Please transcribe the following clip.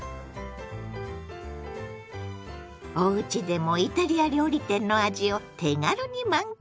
おうちでもイタリア料理店の味を手軽に満喫！